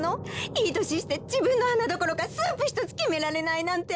いいとししてじぶんのはなどころかスープひとつきめられないなんて！